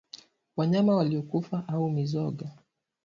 Wanyama waliokufa au mizoga